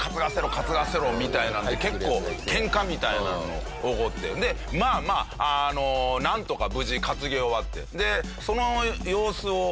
担がせろ！みたいなので結構ケンカみたいなの起こってまあまあなんとか無事担ぎ終わって。